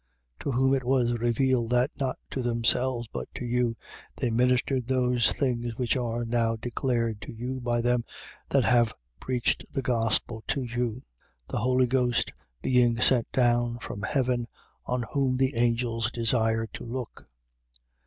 1:12. To whom it was revealed that, not to themselves but to you, they ministered those things which are now declared to you by them that have preached the gospel to you: the Holy Ghost being sent down from heaven, on whom the angels desire to look.